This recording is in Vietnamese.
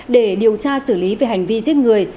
để điều tra xử lý về hành vi giết người